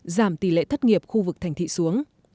giảm tỷ lệ thất nghiệp khu vực thành thị xuống